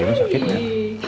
kakeknya sakit gak